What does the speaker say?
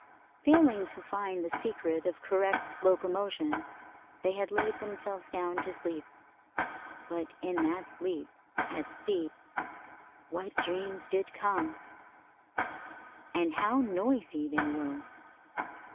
Failing to find the secret of correct locomotion, they had laid themselves down to sleep, but in that sleep at sea what dreams did come, and how noisy they were!